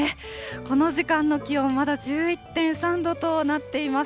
この時間の気温、まだ１１．３度となっています。